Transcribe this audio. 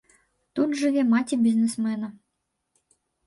Тут жыве маці бізнэсмена.